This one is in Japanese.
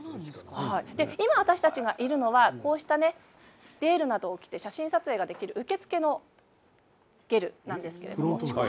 私たちがいるのは、こうしたデールを着て写真撮影ができる受付のところです。